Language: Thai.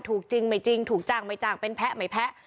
ถูกจริงไม่จริงถูกจ้างไม่จ้างเป็นแพ้ไม่แพ้